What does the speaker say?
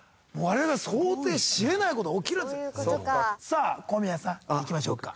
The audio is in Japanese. さあ小宮さん行きましょうか。